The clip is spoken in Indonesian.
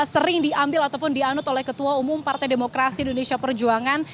sering diambil ataupun dianut oleh ketua umum partai demokrasi indonesia perjuangan